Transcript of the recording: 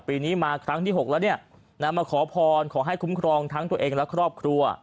ปีนี้มาครั้งที่๖แล้วเนี่ยนะมาขอพรขอให้คุ้มครองทั้งตัวเองและครอบครัว